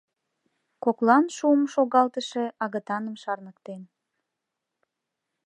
Коклан «шуым шогалтыше» агытаным шарныктен.